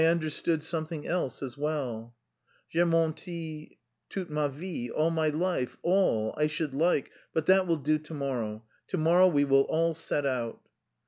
understood something else as well. J'ai menti toute ma vie, all my life, all! I should like... but that will do to morrow.... To morrow we will all set out."